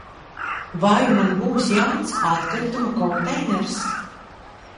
Vai man būs jauns atkritumu konteiners?